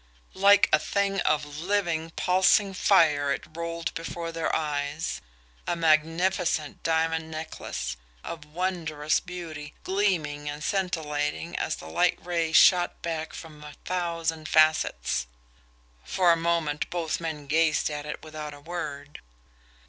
Like a thing of living, pulsing fire it rolled before their eyes a magnificent diamond necklace, of wondrous beauty, gleaming and scintillating as the light rays shot back from a thousand facets. For a moment, both men gazed at it without a word.